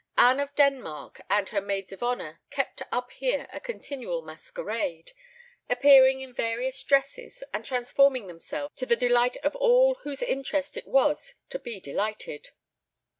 Anne of Denmark and her maids of honour kept up here a continual masquerade, appearing in various dresses, and transforming themselves to the delight of all whose interest it was to be delighted.